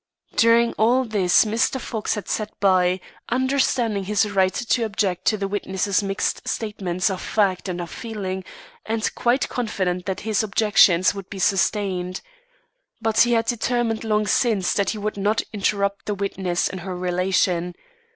During all this Mr. Fox had sat by, understanding his right to object to the witness's mixed statements of fact and of feelings, and quite confident that his objections would be sustained. But he had determined long since that he would not interrupt the witness in her relation.